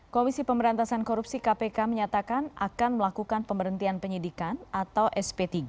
komisi pemberantasan korupsi kpk menyatakan akan melakukan pemberhentian penyidikan atau sp tiga